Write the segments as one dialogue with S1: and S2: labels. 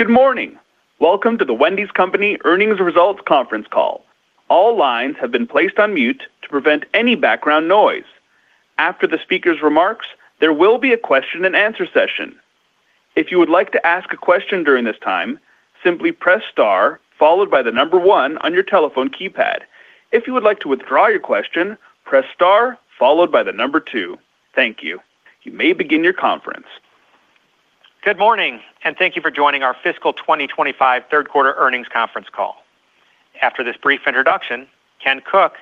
S1: Good morning. Welcome to The Wendy's Company Earnings Results Conference Call. All lines have been placed on mute to prevent any background noise. After the speaker's remarks, there will be a question-and-answer session. If you would like to ask a question during this time, simply press star followed by the number one on your telephone keypad. If you would like to withdraw your question, press star followed by the number two. Thank you. You may begin your conference.
S2: Good morning, and thank you for joining our Fiscal 2025 Third Quarter Earnings Conference Call. After this brief introduction, Ken Cook,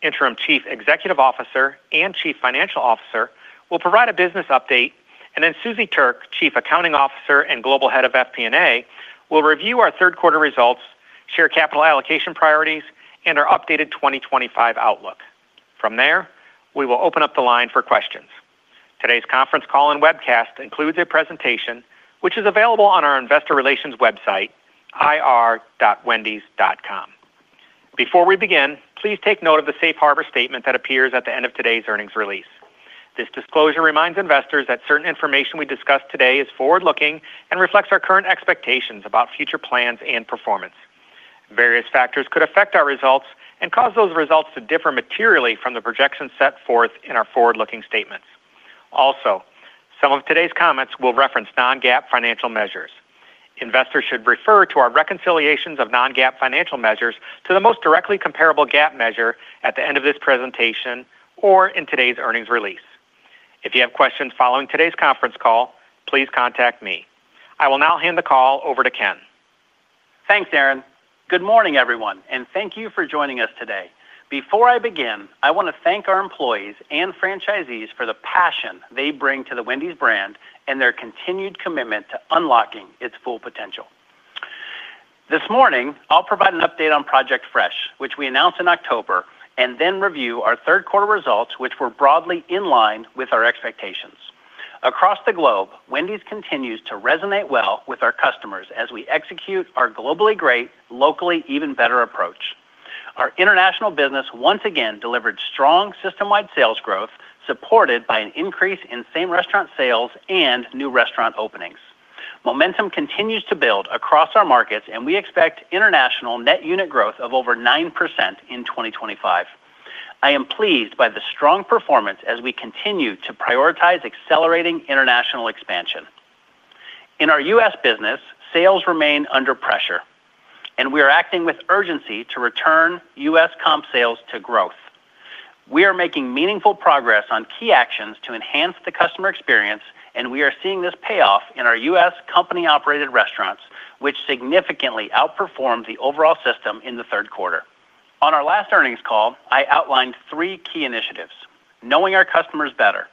S2: Interim Chief Executive Officer and Chief Financial Officer, will provide a business update, and then Suzie Thuerk, Chief Accounting Officer and Global Head of FP&A, will review our 3rd quarter results, share capital allocation priorities, and our updated 2025 outlook. From there, we will open up the line for questions. Today's conference call and webcast includes a presentation which is available on our investor relations website, ir.wendys.com. Before we begin, please take note of the safe harbor statement that appears at the end of today's earnings release. This disclosure reminds investors that certain information we discuss today is forward-looking and reflects our current expectations about future plans and performance. Various factors could affect our results and cause those results to differ materially from the projections set forth in our forward-looking statements. Also, some of today's comments will reference non-GAAP financial measures. Investors should refer to our reconciliations of non-GAAP financial measures to the most directly comparable GAAP measure at the end of this presentation or in today's earnings release. If you have questions following today's conference call, please contact me. I will now hand the call over to Ken.
S3: Thanks, Aaron. Good morning, everyone, and thank you for joining us today. Before I begin, I want to thank our employees and franchisees for the passion they bring to the Wendy's brand and their continued commitment to unlocking its full potential. This morning, I'll provide an update on Project Fresh, which we announced in October, and then review our 3rd quarter results, which were broadly in line with our expectations. Across the globe, Wendy's continues to resonate well with our customers as we execute our globally great, locally even better approach. Our international business once again delivered strong system-wide sales growth, supported by an increase in same restaurant sales and new restaurant openings. Momentum continues to build across our markets, and we expect international net unit growth of over 9% in 2025. I am pleased by the strong performance as we continue to prioritize accelerating international expansion. In our U.S. Business, sales remain under pressure, and we are acting with urgency to return U.S. comp sales to growth. We are making meaningful progress on key actions to enhance the customer experience, and we are seeing this payoff in our U.S. company-operated restaurants, which significantly outperformed the overall system in the 3rd quarter. On our last earnings call, I outlined three key initiatives: knowing our customers better,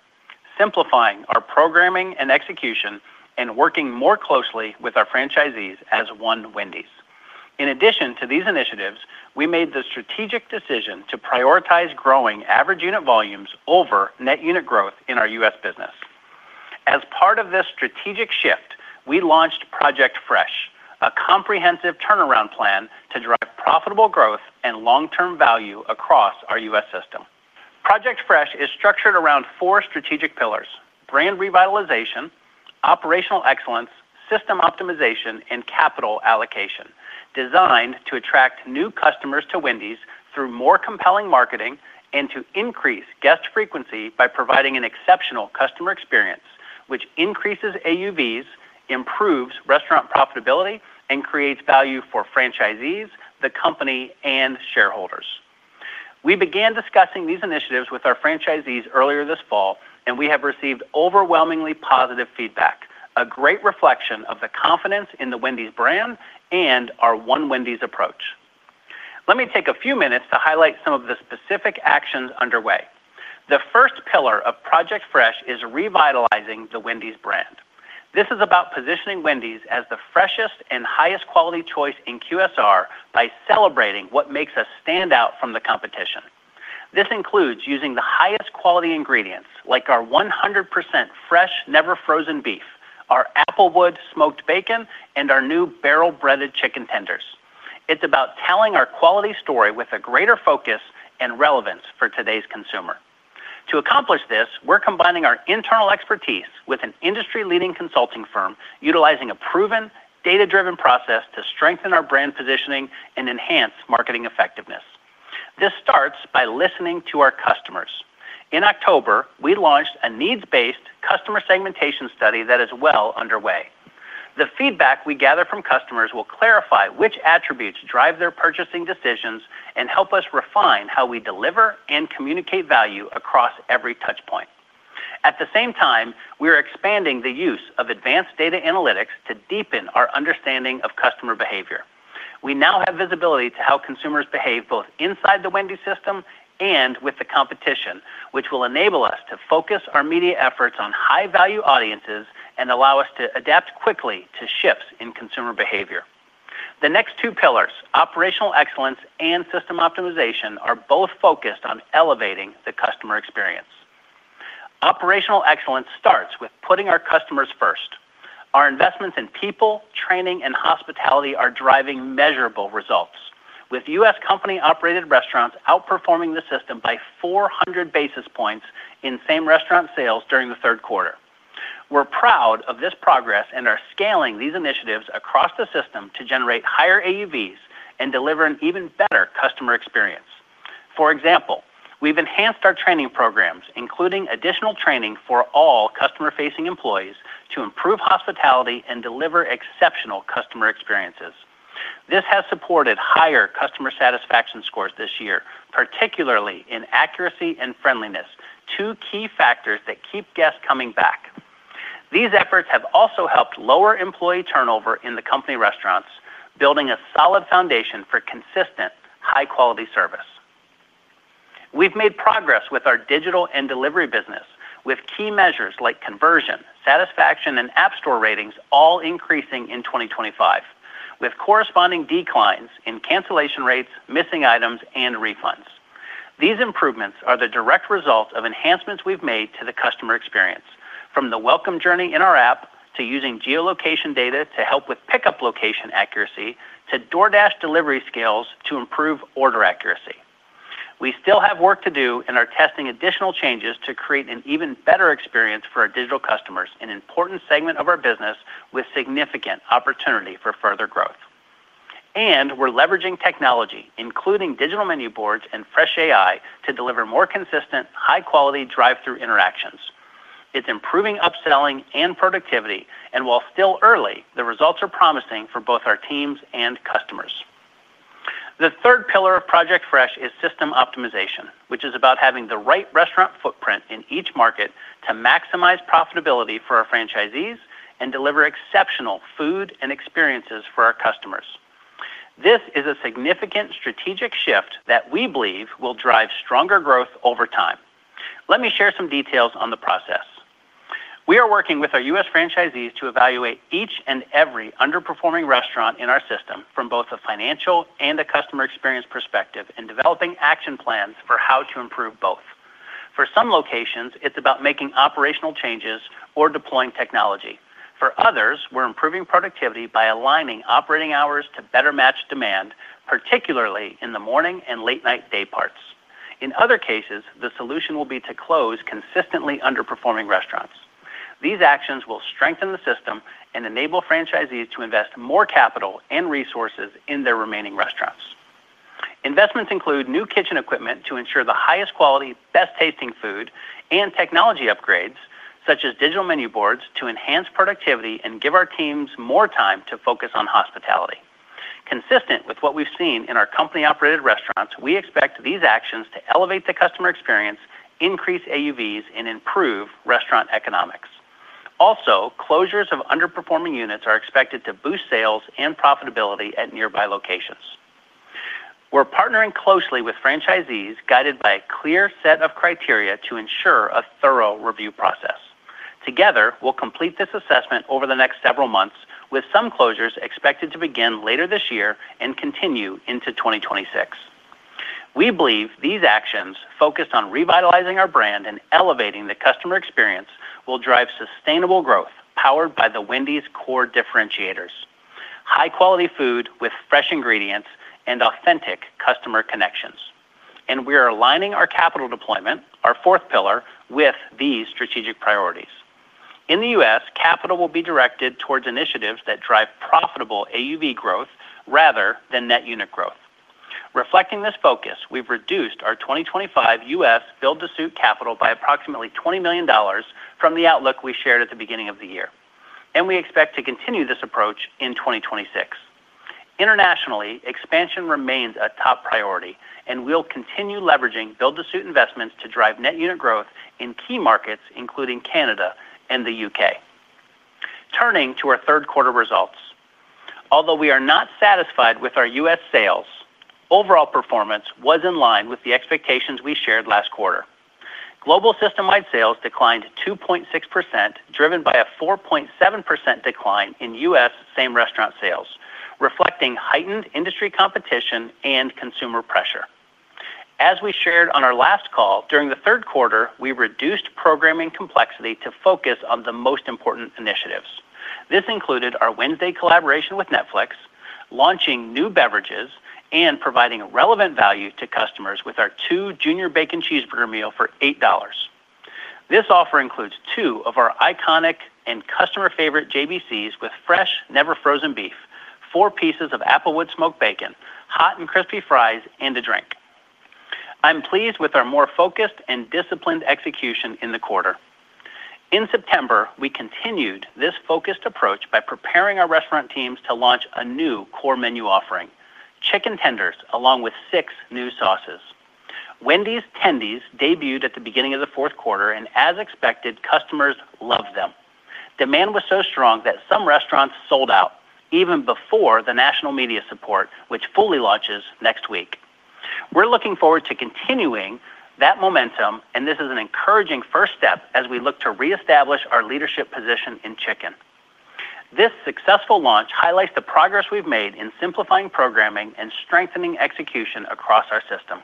S3: simplifying our programming and execution, and working more closely with our franchisees as one Wendy's. In addition to these initiatives, we made the strategic decision to prioritize growing average unit volumes over net unit growth in our U.S. business. As part of this strategic shift, we launched Project Fresh, a comprehensive turnaround plan to drive profitable growth and long-term value across our U.S. system. Project Fresh is structured around four strategic pillars: Brand Revitalization, Operational Excellence, System Optimization, and Capital Allocation, designed to attract new customers to Wendy's through more compelling marketing and to increase guest frequency by providing an exceptional customer experience, which increases AUVs, improves restaurant profitability, and creates value for franchisees, the company, and shareholders. We began discussing these initiatives with our franchisees earlier this fall, and we have received overwhelmingly positive feedback, a great reflection of the confidence in the Wendy's brand and our One Wendy's approach. Let me take a few minutes to highlight some of the specific actions underway. The 1st pillar of Project Fresh is Revitalizing the Wendy's brand. This is about positioning Wendy's as the freshest and highest quality choice in QSR by celebrating what makes us stand out from the competition. This includes using the highest quality ingredients, like our 100% fresh, never frozen beef, our Applewood Smoked Bacon, and our new Barrel-Breaded Chicken Tenders. It's about telling our quality story with a greater focus and relevance for today's consumer. To accomplish this, we're combining our internal expertise with an industry-leading consulting firm, utilizing a proven, data-driven process to strengthen our brand positioning and enhance marketing effectiveness. This starts by listening to our customers. In October, we launched a needs-based customer segmentation study that is well underway. The feedback we gather from customers will clarify which attributes drive their purchasing decisions and help us refine how we deliver and communicate value across every touchpoint. At the same time, we are expanding the use of advanced data analytics to deepen our understanding of customer behavior. We now have visibility to how consumers behave both inside the Wendy's system and with the competition, which will enable us to focus our media efforts on high-value audiences and allow us to adapt quickly to shifts in consumer behavior. The next two pillars, Operational Excellence and System Optimization, are both focused on elevating the customer experience. Operational Excellence starts with putting our customers first. Our investments in people, training, and hospitality are driving measurable results, with U.S. company-operated restaurants outperforming the system by 400 basis points in same restaurant sales during the 3rd quarter. We're proud of this progress and are scaling these initiatives across the system to generate higher AUVs and deliver an even better customer experience. For example, we've enhanced our training programs, including additional training for all customer-facing employees to improve hospitality and deliver exceptional customer experiences. This has supported higher customer satisfaction scores this year, particularly in accuracy and friendliness, two key factors that keep guests coming back. These efforts have also helped lower employee turnover in the company restaurants, building a solid foundation for consistent, high-quality service. We've made progress with our digital and delivery business, with key measures like conversion, satisfaction, and app store ratings all increasing in 2025, with corresponding declines in cancellation rates, missing items, and refunds. These improvements are the direct result of enhancements we've made to the customer experience, from the welcome journey in our app to using geolocation data to help with pickup location accuracy, to DoorDash delivery skills to improve order accuracy. We still have work to do and are testing additional changes to create an even better experience for our digital customers, an important segment of our business with significant opportunity for further growth. We are leveraging technology, including Digital Menu Boards and FreshAI, to deliver more consistent, high-quality drive-through interactions. It is improving upselling and productivity, and while still early, the results are promising for both our teams and customers. The 3rd pillar of Project Fresh is System Optimization, which is about having the right restaurant footprint in each market to maximize profitability for our franchisees and deliver exceptional food and experiences for our customers. This is a significant strategic shift that we believe will drive stronger growth over time. Let me share some details on the process. We are working with our U.S. franchisees to evaluate each and every underperforming restaurant in our system from both a financial and a customer experience perspective and developing action plans for how to improve both. For some locations, it is about making operational changes or deploying technology. For others, we're improving productivity by aligning operating hours to better match demand, particularly in the morning and late-night day parts. In other cases, the solution will be to close consistently underperforming restaurants. These actions will strengthen the system and enable franchisees to invest more capital and resources in their remaining restaurants. Investments include new kitchen equipment to ensure the highest quality, best-tasting food, and technology upgrades, such as Digital Menu Boards, to enhance productivity and give our teams more time to focus on hospitality. Consistent with what we've seen in our company-operated restaurants, we expect these actions to elevate the customer experience, increase AUVs, and improve restaurant economics. Also, closures of underperforming units are expected to boost sales and profitability at nearby locations. We're partnering closely with franchisees, guided by a clear set of criteria to ensure a thorough review process. Together, we'll complete this assessment over the next several months, with some closures expected to begin later this year and continue into 2026. We believe these actions, focused on revitalizing our brand and elevating the customer experience, will drive sustainable growth powered by The Wendy's core differentiators: High-quality food with fresh ingredients and authentic customer connections. We are aligning our Capital Deployment, our 4th pillar, with these strategic priorities. In the U.S., capital will be directed towards initiatives that drive profitable AUV growth rather than net unit growth. Reflecting this focus, we've reduced our 2025 U.S. build-to-suit capital by approximately $20 million from the outlook we shared at the beginning of the year, and we expect to continue this approach in 2026. Internationally, expansion remains a top priority, and we'll continue leveraging build-to-suit investments to drive net unit growth in key markets, including Canada and the U.K. Turning to our 3rd quarter results, although we are not satisfied with our U.S. sales, overall performance was in line with the expectations we shared last quarter. Global system-wide sales declined 2.6%, driven by a 4.7% decline in U.S. same restaurant sales, reflecting heightened industry competition and consumer pressure. As we shared on our last call, during the third quarter, we reduced programming complexity to focus on the most important initiatives. This included our Wednesday collaboration with Netflix, launching new beverages and providing relevant value to customers with our two Junior Bacon Cheeseburger meals for $8. This offer includes two of our iconic and customer-favorite JBCs with fresh, never frozen beef, four pieces of Applewood Smoked Bacon, hot and crispy fries, and a drink. I'm pleased with our more focused and disciplined execution in the quarter. In September, we continued this focused approach by preparing our restaurant teams to launch a new core menu offering: Chicken Tenders, along with six new sauces. Wendy's Tendies debuted at the beginning of the 4th quarter, and as expected, customers loved them. Demand was so strong that some restaurants sold out even before the national media support, which fully launches next week. We are looking forward to continuing that momentum, and this is an encouraging 1st step as we look to reestablish our leadership position in chicken. This successful launch highlights the progress we have made in simplifying programming and strengthening execution across our system.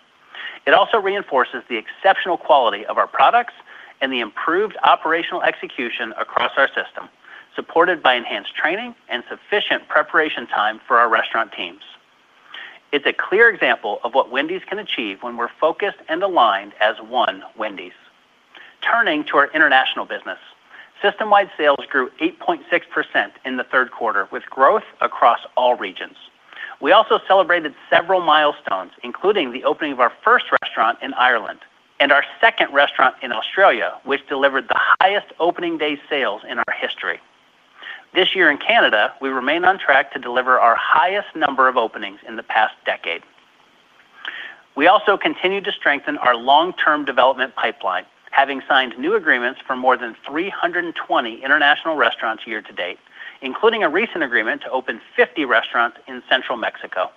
S3: It also reinforces the exceptional quality of our products and the improved operational execution across our system, supported by enhanced training and sufficient preparation time for our restaurant teams. It is a clear example of what Wendy's can achieve when we are focused and aligned as one Wendy's. Turning to our international business, system-wide sales grew 8.6% in the 3rd quarter, with growth across all regions. We also celebrated several milestones, including the opening of our 1st restaurant in Ireland and our 2nd restaurant in Australia, which delivered the highest opening day sales in our history. This year in Canada, we remain on track to deliver our highest number of openings in the past decade. We also continue to strengthen our long-term development pipeline, having signed new agreements for more than 320 international restaurants year to date, including a recent agreement to open 50 restaurants in Central Mexico.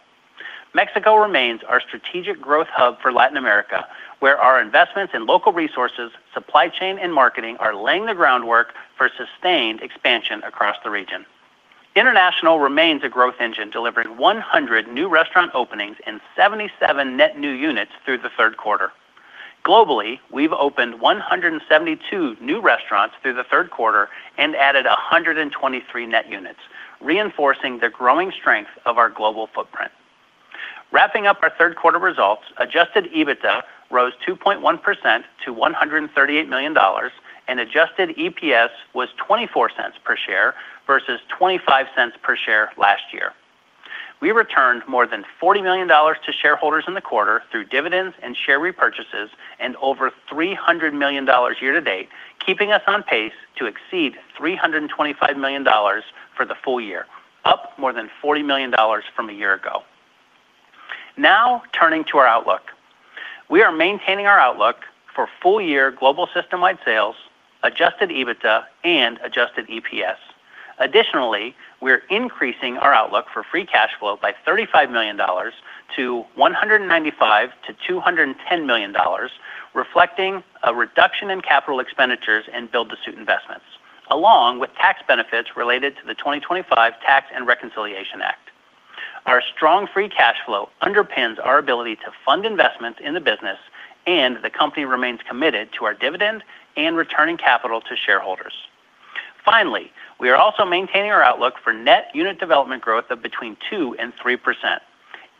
S3: Mexico remains our strategic growth hub for Latin America, where our investments in local resources, supply chain, and marketing are laying the groundwork for sustained expansion across the region. International remains a growth engine, delivering 100 new restaurant openings and 77 net new units through the 3rd quarter. Globally, we've opened 172 new restaurants through the third quarter and added 123 net units, reinforcing the growing strength of our global footprint. Wrapping up our 3rd quarter results, adjusted EBITDA rose 2.1% to $138 million, and adjusted EPS was $0.24 per share versus $0.25 per share last year. We returned more than $40 million to shareholders in the quarter through dividends and share repurchases and over $300 million year to date, keeping us on pace to exceed $325 million for the full year, up more than $40 million from a year ago. Now, turning to our outlook, we are maintaining our outlook for full-year global system-wide sales, adjusted EBITDA, and adjusted EPS. Additionally, we're increasing our outlook for free cash flow by $35 million-$195-$210 million, reflecting a reduction in capital expenditures and build-to-suit investments, along with tax benefits related to the 2025 Tax and Reconciliation Act. Our strong free cash flow underpins our ability to fund investments in the business, and the company remains committed to our dividend and returning capital to shareholders. Finally, we are also maintaining our outlook for net unit development growth of between 2% and 3%.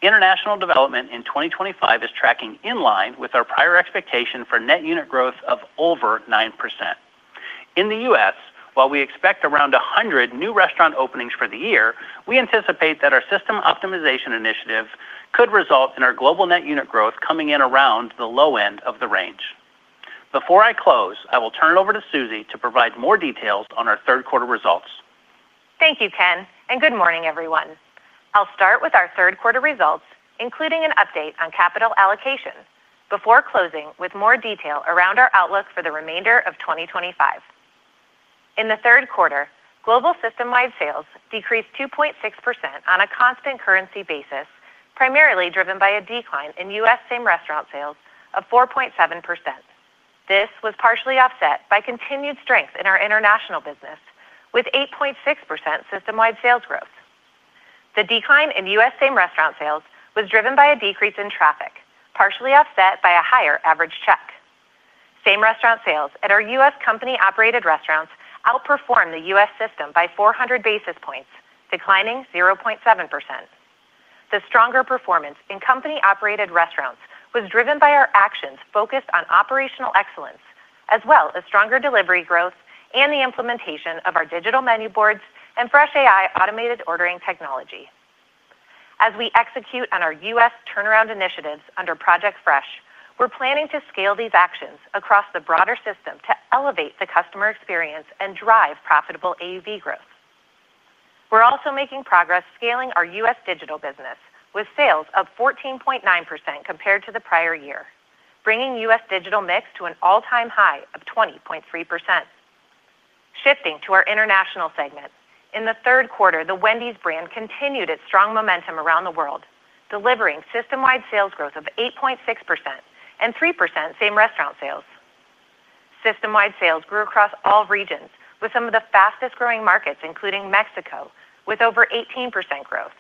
S3: International development in 2025 is tracking in line with our prior expectation for net unit growth of over 9%. In the U.S., while we expect around 100 new restaurant openings for the year, we anticipate that our system optimization initiative could result in our global net unit growth coming in around the low end of the range. Before I close, I will turn it over to Suzie to provide more details on our 3rd quarter results.
S4: Thank you, Ken, and good morning, everyone. I'll start with our 3rd quarter results, including an update on capital allocation, before closing with more detail around our outlook for the remainder of 2025. In the 3rd quarter, global system-wide sales decreased 2.6% on a constant currency basis, primarily driven by a decline in U.S. same restaurant sales of 4.7%. This was partially offset by continued strength in our international business, with 8.6% system-wide sales growth. The decline in U.S. same restaurant sales was driven by a decrease in traffic, partially offset by a higher average check. Same restaurant sales at our U.S. company-operated restaurants outperformed the U.S. system by 400 basis points, declining 0.7%. The stronger performance in company-operated restaurants was driven by our actions focused on Operational Excellence, as well as stronger delivery growth and the implementation of our Digital Menu Boards and FreshAI automated ordering technology. As we execute on our U.S. turnaround initiatives under Project Fresh, we're planning to scale these actions across the broader system to elevate the customer experience and drive profitable AUV growth. We're also making progress scaling our U.S. digital business, with sales of 14.9% compared to the prior year, bringing U.S. digital mix to an all-time high of 20.3%. Shifting to our international segment, in the 3rd quarter, the Wendy's brand continued its strong momentum around the world, delivering system-wide sales growth of 8.6% and 3% same restaurant sales. System-wide sales grew across all regions, with some of the fastest-growing markets, including Mexico, with over 18% growth,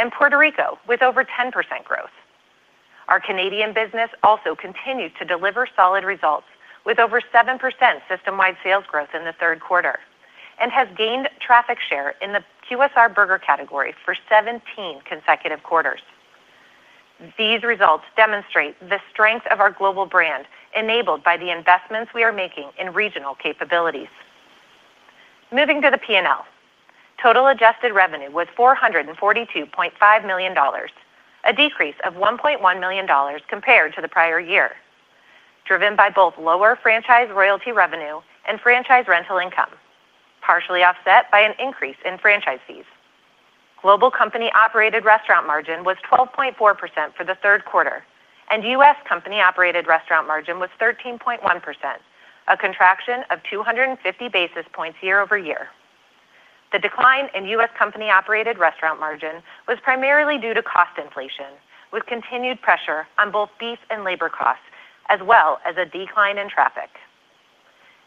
S4: and Puerto Rico, with over 10% growth. Our Canadian business also continues to deliver solid results, with over 7% system-wide sales growth in the 3rd quarter, and has gained traffic share in the QSR burger category for 17 consecutive quarters. These results demonstrate the strength of our global brand enabled by the investments we are making in regional capabilities. Moving to the P&L, total adjusted revenue was $442.5 million, a decrease of $1.1 million compared to the prior year, driven by both lower franchise royalty revenue and franchise rental income, partially offset by an increase in franchise fees. Global company-operated restaurant margin was 12.4% for the 3rd quarter, and U.S. company-operated restaurant margin was 13.1%, a contraction of 250 basis points year over year. The decline in U.S. company-operated restaurant margin was primarily due to cost inflation, with continued pressure on both beef and labor costs, as well as a decline in traffic.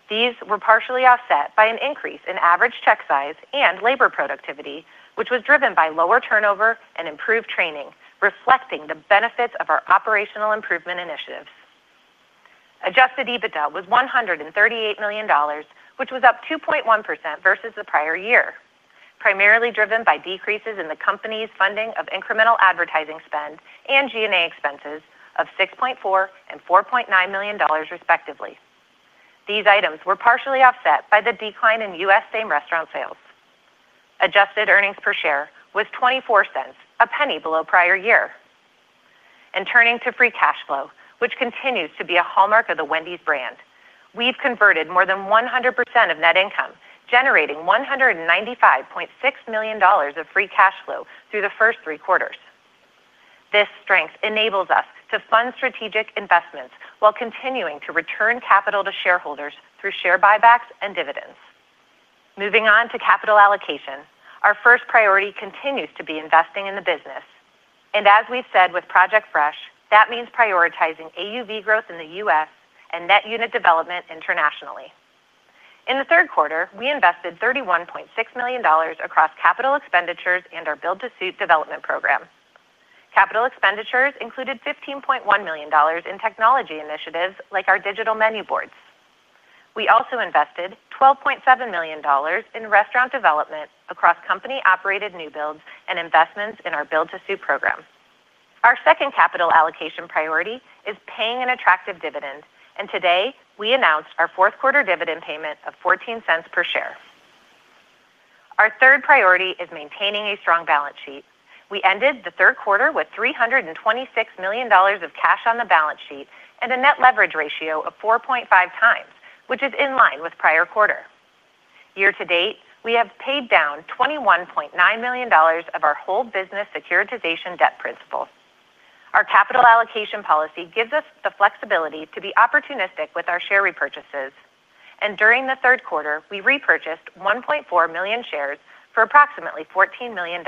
S4: These were partially offset by an increase in average check size and labor productivity, which was driven by lower turnover and improved training, reflecting the benefits of our operational improvement initiatives. Adjusted EBITDA was $138 million, which was up 2.1% versus the prior year, primarily driven by decreases in the company's funding of incremental advertising spend and G&A expenses of $6.4 and $4.9 million, respectively. These items were partially offset by the decline in U.S. same restaurant sales. Adjusted earnings per share was $0.24, a penny below prior year. Turning to free cash flow, which continues to be a hallmark of the Wendy's brand, we've converted more than 100% of net income, generating $195.6 million of free cash flow through the 1st three quarters. This strength enables us to fund strategic investments while continuing to return capital to shareholders through share buybacks and dividends. Moving on to capital allocation, our 1st priority continues to be investing in the business. As we have said with Project Fresh, that means prioritizing AUV growth in the U.S. and net unit development internationally. In the 3rd quarter, we invested $31.6 million across capital expenditures and our build-to-suit development program. Capital expenditures included $15.1 million in technology initiatives like our Digital Menu Boards. We also invested $12.7 million in restaurant development across company-operated new builds and investments in our build-to-suit program. Our 2nd capital allocation priority is paying an attractive dividend, and today we announced our 4th quarter dividend payment of $0.14 per share. Our 3rd priority is maintaining a strong balance sheet. We ended the 3rd quarter with $326 million of cash on the balance sheet and a net leverage ratio of 4.5 times, which is in line with prior quarter. Year to date, we have paid down $21.9 million of our whole business securitization debt principal. Our capital allocation policy gives us the flexibility to be opportunistic with our share repurchases. During the 3rd quarter, we repurchased 1.4 million shares for approximately $14 million.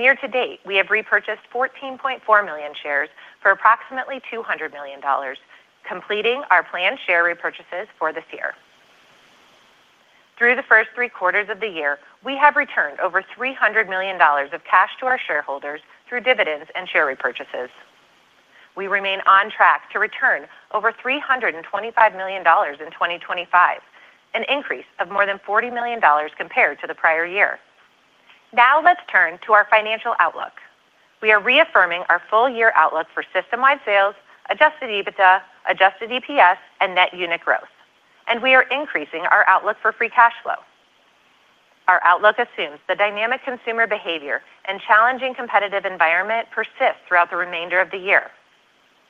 S4: Year to date, we have repurchased 14.4 million shares for approximately $200 million, completing our planned share repurchases for this year. Through the 1st three quarters of the year, we have returned over $300 million of cash to our shareholders through dividends and share repurchases. We remain on track to return over $325 million in 2025, an increase of more than $40 million compared to the prior year. Now let's turn to our financial outlook. We are reaffirming our full-year outlook for system-wide sales, adjusted EBITDA, adjusted EPS, and net unit growth. We are increasing our outlook for free cash flow. Our outlook assumes that dynamic consumer behavior and challenging competitive environment persist throughout the remainder of the year.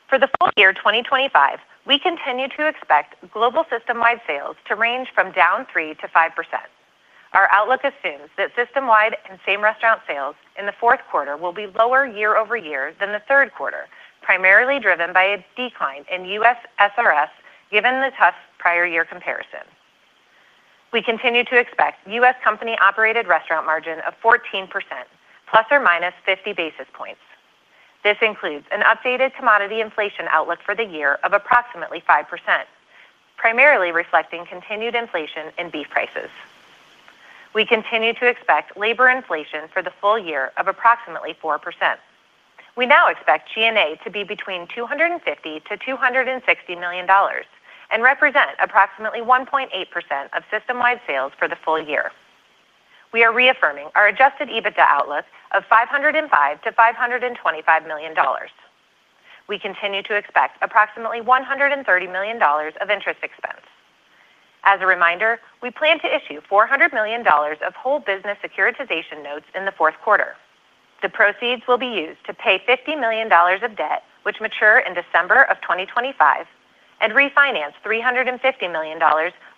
S4: For the full year 2025, we continue to expect global system-wide sales to range from down 3-5%. Our outlook assumes that system-wide and same restaurant sales in the 4th quarter will be lower year-over-year than the 3rd quarter, primarily driven by a decline in U.S. SRS given the tough prior-year comparison. We continue to expect U.S. company-operated restaurant margin of 14%, ±50 basis points. This includes an updated commodity inflation outlook for the year of approximately 5%, primarily reflecting continued inflation in beef prices. We continue to expect labor inflation for the full year of approximately 4%. We now expect G&A to be between $250-$260 million and represent approximately 1.8% of system-wide sales for the full year. We are reaffirming our adjusted EBITDA outlook of $505-$525 million. We continue to expect approximately $130 million of interest expense. As a reminder, we plan to issue $400 million of whole business securitization notes in the 4th quarter. The proceeds will be used to pay $50 million of debt, which mature in December of 2025, and refinance $350 million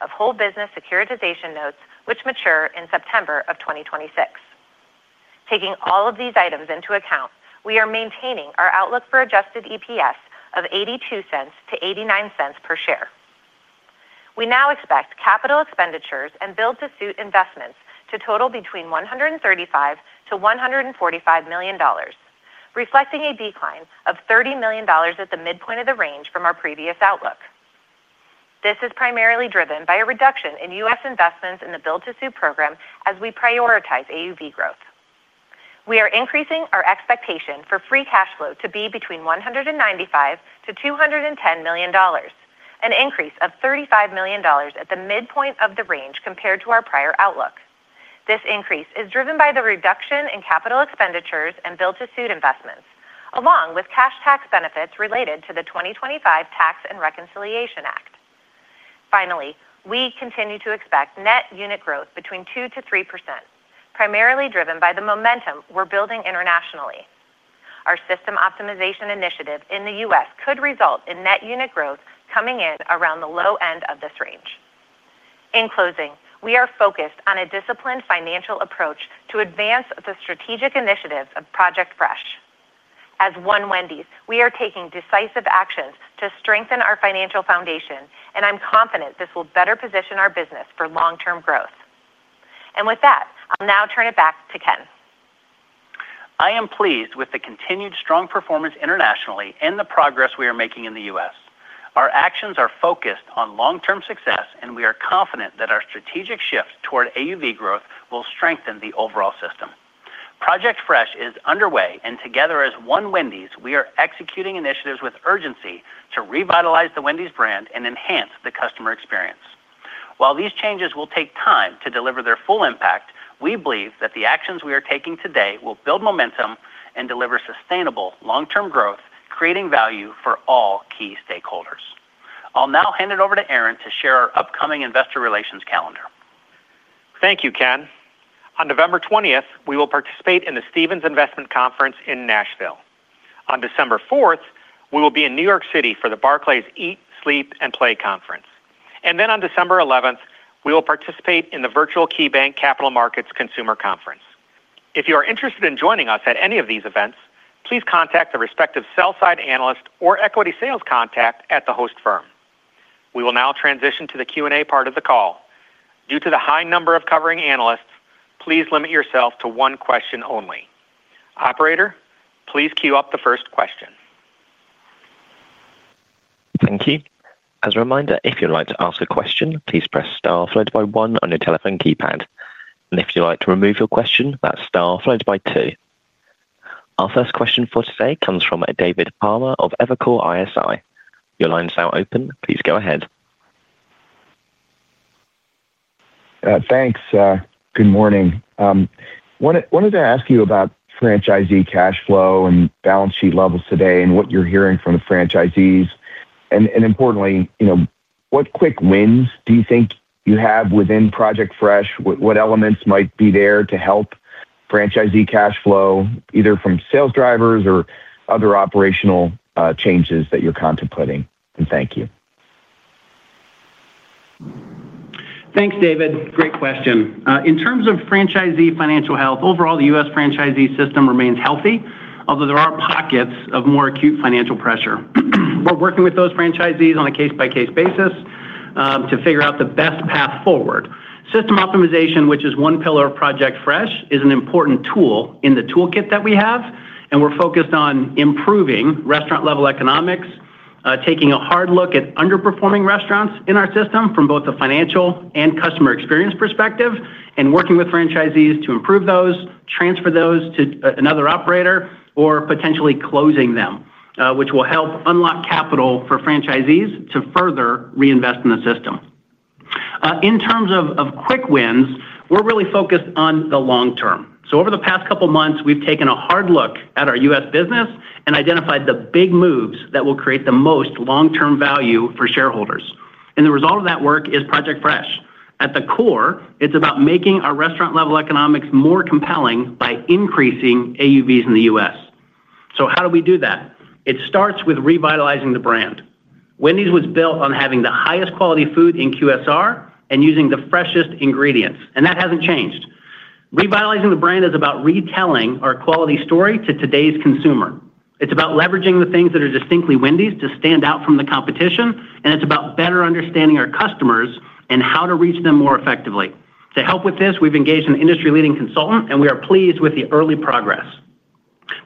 S4: of whole business securitization notes, which mature in September of 2026. Taking all of these items into account, we are maintaining our outlook for adjusted EPS of $0.82-$0.89 per share. We now expect capital expenditures and build-to-suit investments to total between $135-$145 million, reflecting a decline of $30 million at the midpoint of the range from our previous outlook. This is primarily driven by a reduction in U.S. investments in the build-to-suit program as we prioritize AUV growth. We are increasing our expectation for free cash flow to be between $195-$210 million, an increase of $35 million at the midpoint of the range compared to our prior outlook. This increase is driven by the reduction in capital expenditures and build-to-suit investments, along with cash tax benefits related to the 2025 Tax and Reconciliation Act. Finally, we continue to expect net unit growth between 2-3%, primarily driven by the momentum we're building internationally. Our System Optimization initiative in the U.S. could result in net unit growth coming in around the low end of this range. In closing, we are focused on a disciplined financial approach to advance the strategic initiatives of Project Fresh. As One Wendy's, we are taking decisive actions to strengthen our financial foundation, and I'm confident this will better position our business for long-term growth. With that, I'll now turn it back to Ken.
S3: I am pleased with the continued strong performance internationally and the progress we are making in the U.S. Our actions are focused on long-term success, and we are confident that our strategic shift toward AUV growth will strengthen the overall system. Project Fresh is underway, and together as One Wendy's, we are executing initiatives with urgency to revitalize the Wendy's brand and enhance the customer experience. While these changes will take time to deliver their full impact, we believe that the actions we are taking today will build momentum and deliver sustainable long-term growth, creating value for all key stakeholders. I'll now hand it over to Aaron to share our upcoming investor relations calendar.
S2: Thank you, Ken. On November 20th, we will participate in the Stephens Investment Conference in Nashville. On December 4th, we will be in New York City for the Barclays Eat, Sleep, and Play Conference. On December 11th, we will participate in the Virtual KeyBanc Capital Markets Consumer Conference. If you are interested in joining us at any of these events, please contact the respective sell-side analyst or equity sales contact at the host firm. We will now transition to the Q&A part of the call. Due to the high number of covering analysts, please limit yourself to one question only. Operator, please queue up the first question.
S1: Thank you. As a reminder, if you'd like to ask a question, please press star followed by one on your telephone keypad. If you'd like to remove your question, that's star followed by two. Our first question for today comes from David Palmer of Evercore ISI. Your line is now open. Please go ahead.
S5: Thanks. Good morning. I wanted to ask you about franchisee cash flow and balance sheet levels today and what you're hearing from the franchisees. Importantly, what quick wins do you think you have within Project Fresh? What elements might be there to help franchisee cash flow, either from sales drivers or other operational changes that you're contemplating? Thank you.
S3: Thanks, David. Great question. In terms of franchisee financial health, overall, the U.S. franchisee system remains healthy, although there are pockets of more acute financial pressure. We're working with those franchisees on a case-by-case basis to figure out the best path forward. System Optimization, which is one pillar of Project Fresh, is an important tool in the toolkit that we have. We're focused on improving restaurant-level economics, taking a hard look at underperforming restaurants in our system from both the financial and customer experience perspective, and working with franchisees to improve those, transfer those to another operator, or potentially closing them, which will help unlock capital for franchisees to further reinvest in the system. In terms of quick wins, we're really focused on the long term. Over the past couple of months, we've taken a hard look at our U.S. business and identified the big moves that will create the most long-term value for shareholders. The result of that work is Project Fresh. At the core, it's about making our restaurant-level economics more compelling by increasing AUVs in the U.S. How do we do that? It starts with revitalizing the brand. Wendy's was built on having the highest quality food in QSR and using the freshest ingredients. That hasn't changed. Revitalizing the brand is about retelling our quality story to today's consumer. It's about leveraging the things that are distinctly Wendy's to stand out from the competition. It's about better understanding our customers and how to reach them more effectively. To help with this, we've engaged an industry-leading consultant, and we are pleased with the early progress.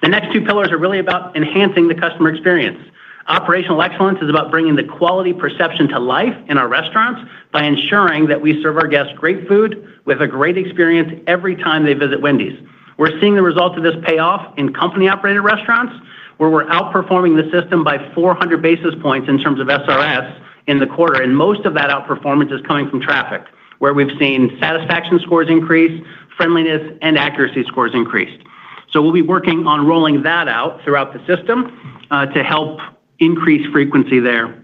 S3: The next two pillars are really about enhancing the customer experience. Operational excellence is about bringing the quality perception to life in our restaurants by ensuring that we serve our guests great food with a great experience every time they visit Wendy's. We're seeing the results of this pay off in company-operated restaurants, where we're outperforming the system by 400 basis points in terms of SRS in the quarter. Most of that outperformance is coming from traffic, where we've seen satisfaction scores increase, friendliness, and accuracy scores increased. We'll be working on rolling that out throughout the system to help increase frequency there.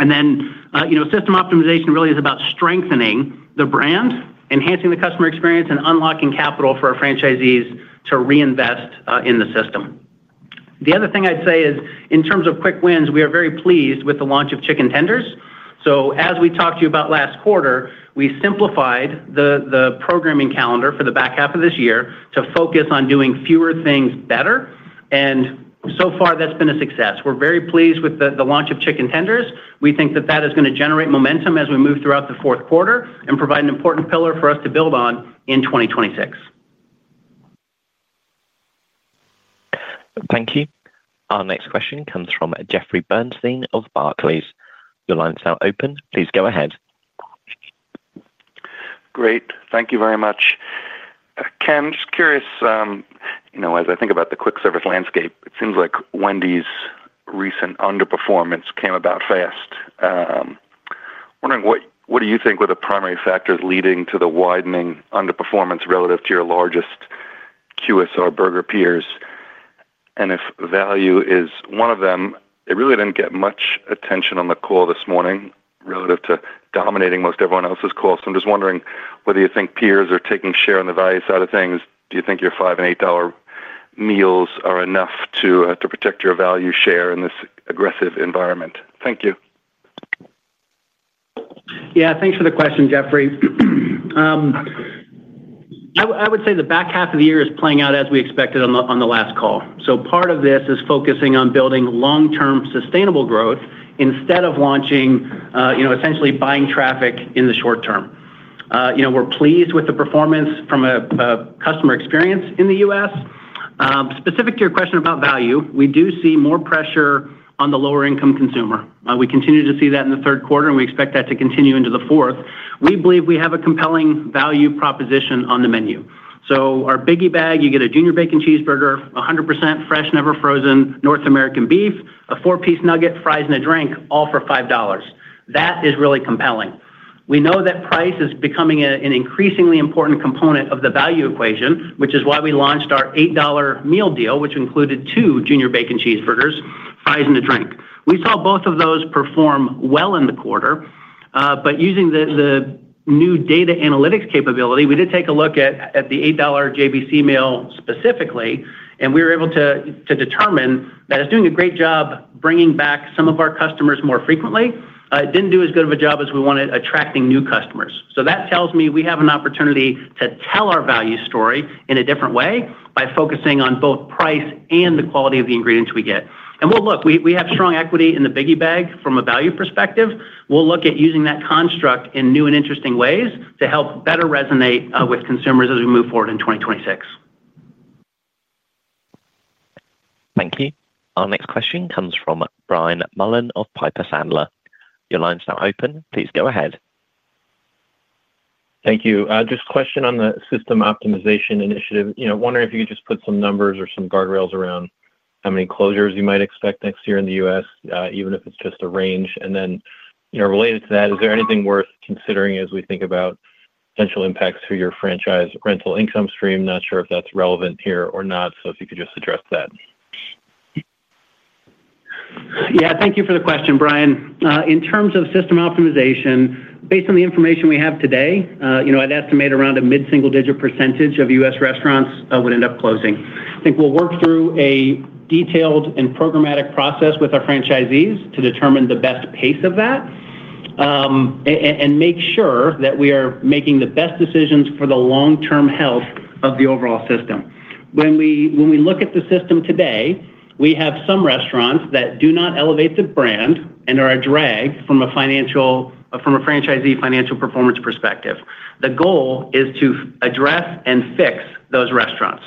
S3: System Optimization really is about strengthening the brand, enhancing the customer experience, and unlocking capital for our franchisees to reinvest in the system. The other thing I'd say is, in terms of quick wins, we are very pleased with the launch of Chicken Tenders. As we talked to you about last quarter, we simplified the programming calendar for the back half of this year to focus on doing fewer things better. So far, that's been a success. We're very pleased with the launch of Chicken Tenders. We think that is going to generate momentum as we move throughout the fourth quarter and provide an important pillar for us to build on in 2026.
S1: Thank you. Our next question comes from Jeffrey Bernstein of Barclays. Your line is now open. Please go ahead.
S6: Great. Thank you very much. Ken, just curious, as I think about the quick service landscape, it seems like Wendy's recent underperformance came about fast. I'm wondering what do you think were the primary factors leading to the widening underperformance relative to your largest QSR burger peers? If value is one of them, it really did not get much attention on the call this morning relative to dominating most everyone else's calls. I am just wondering whether you think peers are taking share in the value side of things. Do you think your $5 and $8 meals are enough to protect your value share in this aggressive environment? Thank you.
S3: Yeah, thanks for the question, Jeffrey. I would say the back half of the year is playing out as we expected on the last call. Part of this is focusing on building long-term sustainable growth instead of launching, essentially buying traffic in the short term. We are pleased with the performance from a customer experience in the U.S. Specific to your question about value, we do see more pressure on the lower-income consumer. We continue to see that in the 3rd quarter, and we expect that to continue into the 4th. We believe we have a compelling value proposition on the menu. Our Biggie Bag, you get a Junior Bacon Cheeseburger, 100% fresh, Never Frozen North American Beef, a Four-piece Nugget, fries, and a drink, all for $5. That is really compelling. We know that price is becoming an increasingly important component of the value equation, which is why we launched our $8 meal deal, which included two Junior Bacon Cheeseburgers, fries, and a drink. We saw both of those perform well in the quarter. Using the new data analytics capability, we did take a look at the $8 JBC meal specifically, and we were able to determine that it is doing a great job bringing back some of our customers more frequently. It did not do as good of a job as we wanted attracting new customers. That tells me we have an opportunity to tell our value story in a different way by focusing on both price and the quality of the ingredients we get. We have strong equity in the Biggie Bag from a value perspective. We'll look at using that construct in new and interesting ways to help better resonate with consumers as we move forward in 2026.
S1: Thank you. Our next question comes from Brian Mullan of Piper Sandler. Your line is now open. Please go ahead.
S7: Thank you. Just a question on the System Optimization initiative. I wonder if you could just put some numbers or some guardrails around how many closures you might expect next year in the U.S., even if it's just a range. And then related to that, is there anything worth considering as we think about potential impacts for your franchise rental income stream? Not sure if that's relevant here or not. So if you could just address that.
S3: Yeah, thank you for the question, Brian. In terms of system optimization, based on the information we have today, I'd estimate around a mid-single-digit percentage of U.S. restaurants would end up closing. I think we'll work through a detailed and programmatic process with our franchisees to determine the best pace of that and make sure that we are making the best decisions for the long-term health of the overall system. When we look at the system today, we have some restaurants that do not elevate the brand and are a drag from a franchisee financial performance perspective. The goal is to address and fix those restaurants.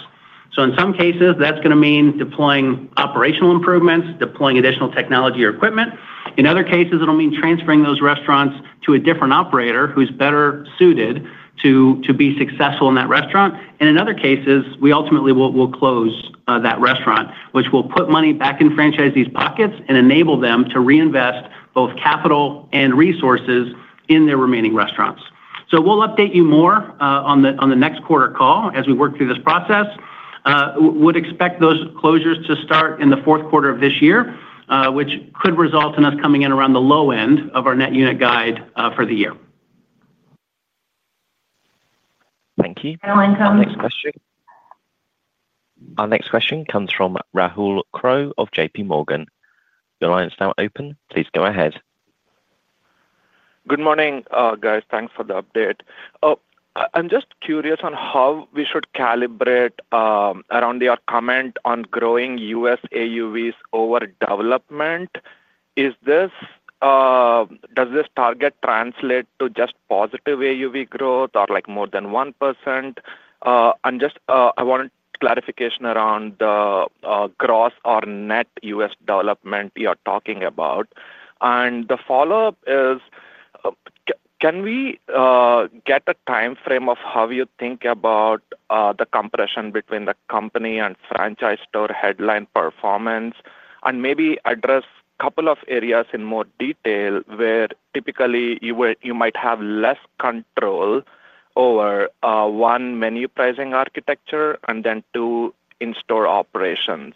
S3: In some cases, that's going to mean deploying operational improvements, deploying additional technology or equipment. In other cases, it'll mean transferring those restaurants to a different operator who's better suited to be successful in that restaurant. In other cases, we ultimately will close that restaurant, which will put money back in franchisees' pockets and enable them to reinvest both capital and resources in their remaining restaurants. We'll update you more on the next quarter call as we work through this process. We would expect those closures to start in the fourth quarter of this year, which could result in us coming in around the low end of our net unit guide for the year.
S1: Thank you. Our next question comes from Rahul Krotthapalli of J.P. Morgan. Your line is now open. Please go ahead.
S8: Good morning, guys. Thanks for the update. I'm just curious on how we should calibrate around your comment on growing U.S. AUVs over development. Does this target translate to just positive AUV growth or more than 1%? I want clarification around the gross or net U.S. development you're talking about. The follow-up is, can we get a time frame of how you think about the compression between the company and franchise store headline performance and maybe address a couple of areas in more detail where typically you might have less control over, one, menu pricing architecture and then, two, in-store operations?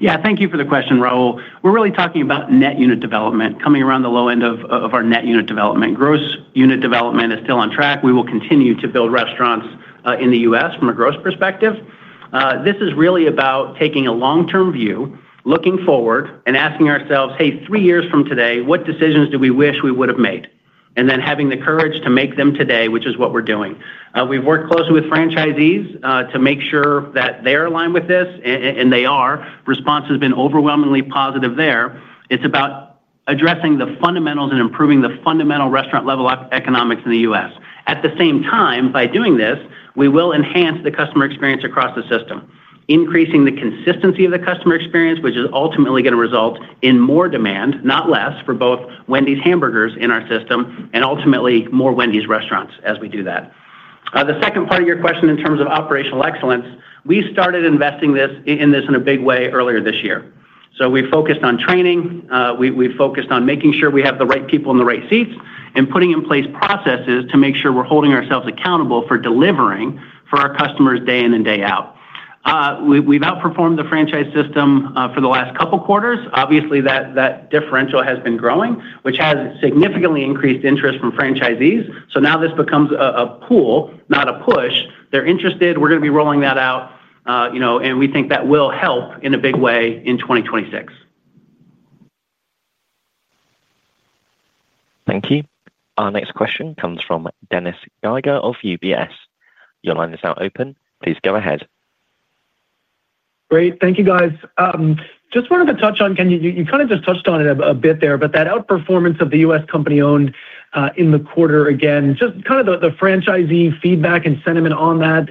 S3: Yeah, thank you for the question, Rahul. We're really talking about net unit development coming around the low end of our net unit development. Gross unit development is still on track. We will continue to build restaurants in the U.S. from a gross perspective. This is really about taking a long-term view, looking forward, and asking ourselves, "Hey, three years from today, what decisions do we wish we would have made?" and then having the courage to make them today, which is what we're doing. We've worked closely with franchisees to make sure that they're aligned with this, and they are. Response has been overwhelmingly positive there. It's about addressing the fundamentals and improving the fundamental restaurant-level economics in the U.S. At the same time, by doing this, we will enhance the customer experience across the system, increasing the consistency of the customer experience, which is ultimately going to result in more demand, not less, for both Wendy's hamburgers in our system and ultimately more Wendy's restaurants as we do that. The 2nd part of your question in terms of Operational Excellence, we started investing in this in a big way earlier this year. We focused on training. We focused on making sure we have the right people in the right seats and putting in place processes to make sure we're holding ourselves accountable for delivering for our customers day in and day out. We've outperformed the franchise system for the last couple of quarters. Obviously, that differential has been growing, which has significantly increased interest from franchisees. Now this becomes a pull, not a push. They're interested. We're going to be rolling that out. We think that will help in a big way in 2026.
S1: Thank you. Our next question comes from Dennis Geiger of UBS. Your line is now open. Please go ahead.
S9: Great. Thank you, guys. Just wanted to touch on, Ken, you kind of just touched on it a bit there, but that outperformance of the U.S. company-owned in the quarter again, just kind of the franchisee feedback and sentiment on that.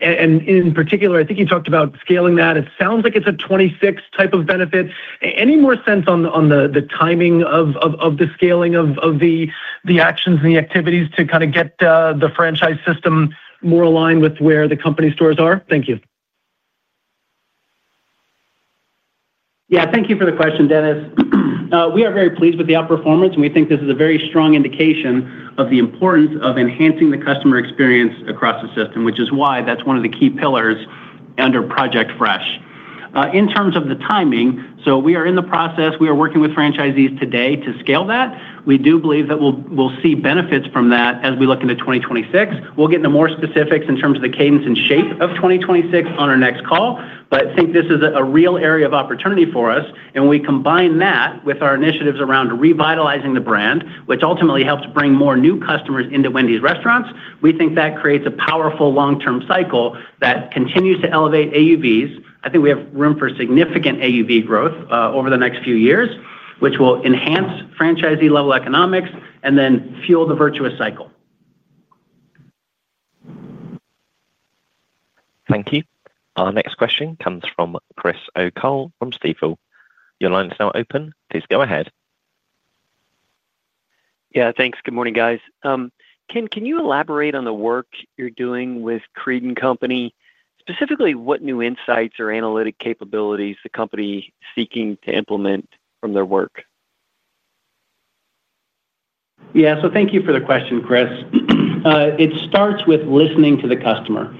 S9: In particular, I think you talked about scaling that. It sounds like it's a 2026-type of benefit. Any more sense on the timing of the scaling of the actions and the activities to kind of get the franchise system more aligned with where the company stores are? Thank you.
S3: Yeah, thank you for the question, Dennis. We are very pleased with the outperformance, and we think this is a very strong indication of the importance of enhancing the customer experience across the system, which is why that's one of the key pillars under Project Fresh. In terms of the timing, we are in the process. We are working with franchisees today to scale that. We do believe that we'll see benefits from that as we look into 2026. We'll get into more specifics in terms of the cadence and shape of 2026 on our next call. I think this is a real area of opportunity for us. When we combine that with our initiatives around revitalizing the brand, which ultimately helps bring more new customers into Wendy's restaurants, we think that creates a powerful long-term cycle that continues to elevate AUVs. I think we have room for significant AUV growth over the next few years, which will enhance franchisee-level economics and then fuel the virtuous cycle.
S1: Thank you. Our next question comes from Chris O'Cull from Stephens. Your line is now open. Please go ahead.
S10: Yeah, thanks. Good morning, guys. Ken, can you elaborate on the work you're doing with Creed & Company? Specifically, what new insights or analytic capabilities is the company seeking to implement from their work?
S3: Yeah, thank you for the question, Chris. It starts with listening to the customer.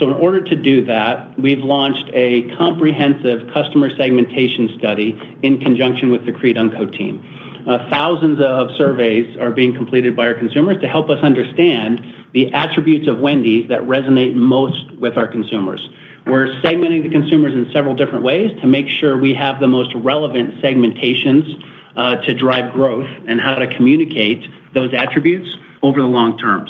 S3: In order to do that, we've launched a comprehensive customer segmentation study in conjunction with the Creed & Co team. Thousands of surveys are being completed by our consumers to help us understand the attributes of Wendy's that resonate most with our consumers. We're segmenting the consumers in several different ways to make sure we have the most relevant segmentations to drive growth and how to communicate those attributes over the long term.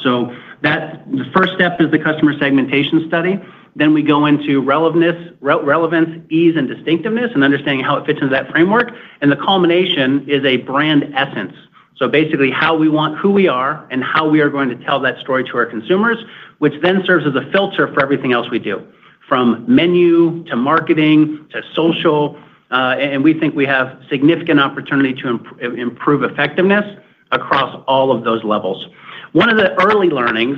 S3: The 2st step is the Customer Segmentation study. We go into relevance, ease, and distinctiveness, and understanding how it fits into that framework. The culmination is a brand essence. Basically, how we want who we are and how we are going to tell that story to our consumers, which then serves as a filter for everything else we do, from menu to marketing to social. We think we have significant opportunity to improve effectiveness across all of those levels. One of the early learnings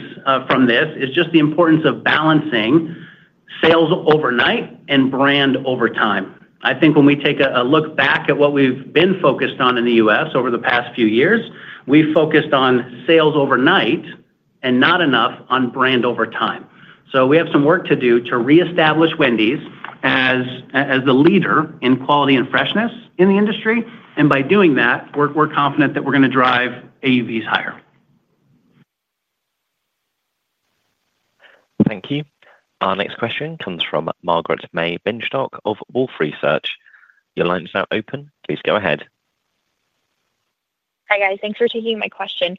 S3: from this is just the importance of balancing sales overnight and brand over time. I think when we take a look back at what we've been focused on in the U.S. over the past few years, we focused on sales overnight and not enough on brand over time. We have some work to do to reestablish Wendy's as the leader in quality and freshness in the industry. By doing that, we're confident that we're going to drive AUVs higher.
S1: Thank you. Our next question comes from Margaret-May Binshtok of Wolfe Research. Your line is now open. Please go ahead.
S11: Hi, guys. Thanks for taking my question.